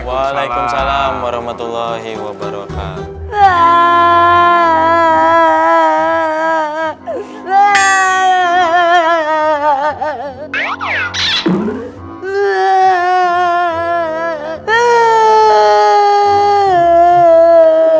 waalaikumsalam warahmatullahi wabarakatuh